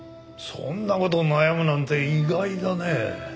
そんな事を悩むなんて意外だね。